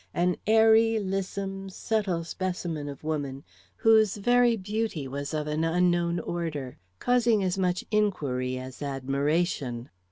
An airy, lissom, subtle specimen of woman, whose very beauty was of an unknown order, causing as much inquiry as admiration.